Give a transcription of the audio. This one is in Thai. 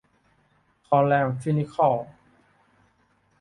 คลอแรมฟินิคอล